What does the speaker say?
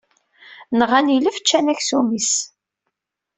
Nɣan ilef, ččan aksum-is.